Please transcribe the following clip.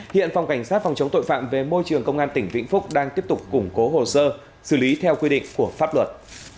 hiện phòng cảnh sát phòng chống tội phạm về môi trường công an tỉnh vĩnh phúc đang tiếp tục củng cố hồ sơ xử lý theo quy định của pháp luật